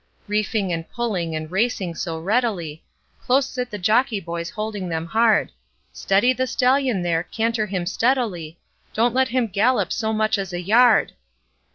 Reefing and pulling and racing so readily, Close sit the jockey boys holding them hard, 'Steady the stallion there canter him steadily, Don't let him gallop so much as a yard.'